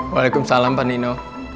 waalaikumsalam pak nino